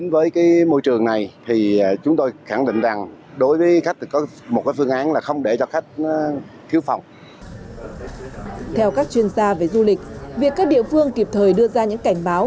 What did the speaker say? việc các địa phương kịp thời đưa ra những cảnh báo